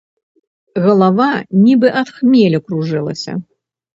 Галава, нібы ад хмелю, кружылася.